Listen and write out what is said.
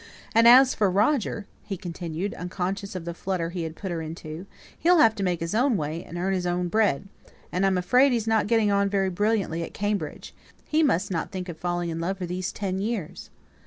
"And as for Roger," he continued, unconscious of the flutter he had put her into, "he'll have to make his own way, and earn his own bread; and, I'm afraid, he's not getting on very brilliantly at Cambridge. He mustn't think of falling in love for these ten years."